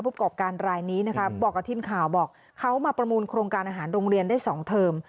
ประกอบการรายนี้นะคะบอกกับทีมข่าวบอกเขามาประมูลโครงการอาหารโรงเรียนได้๒เทอม